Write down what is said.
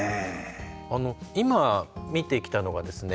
あの今見てきたのがですね